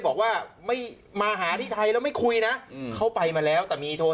บอกว่าไม่มาหาที่ไทยแล้วไม่คุยนะเขาไปมาแล้วแต่มีโทร